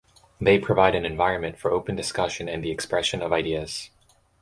They provide an environment for open discussion and the expression of ideas.